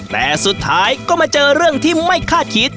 แต่สุดท้ายก็มาเจอเรื่องที่ไม่คาดคิด